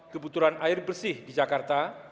kebutuhan air bersih di jakarta